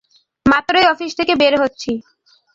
মাত্রই অফিস থেকে বের হচ্ছি।